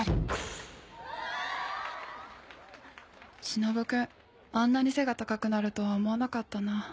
しのぶくんあんなに背が高くなるとは思わなかったな。